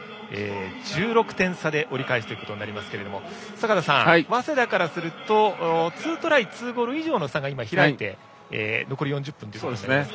１６点差で折り返しとなりますが坂田さん、早稲田からすると２トライ２ゴール以上の差が開いて、残り４０分となりますが。